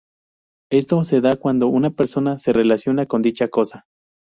Esto se da cuando una persona se relaciona con dicha cosa.